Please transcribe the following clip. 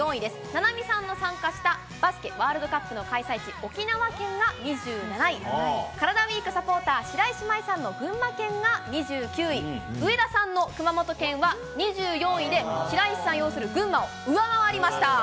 菜波さんの参加したバスケワールドカップの開催地、沖縄県が２７位、カラダＷＥＥＫサポーター、白石麻衣さんの群馬県が２９位、上田さんの熊本県は２４位で、白石さん擁する群馬を上回りました。